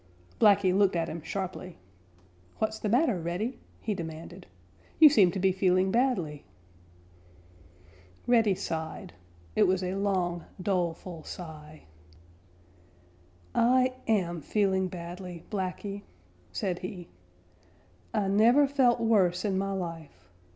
Blacky looked at him sharply. "What's the matter, Reddy?" he demanded. "You seem to be feeling badly." Reddy sighed. It was a long, doleful sigh. "I am feeling badly, Blacky," said he. "I never felt worse in my life.